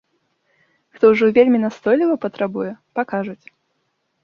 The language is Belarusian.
Хто ўжо вельмі настойліва патрабуе, пакажуць.